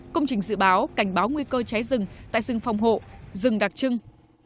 công trình dự báo cảnh báo nguy cơ cháy rừng tại rừng phòng hộ rừng đặc trưng